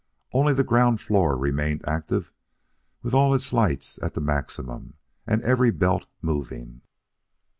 Only the ground floor remained active with all its lights at the maximum, and every belt moving.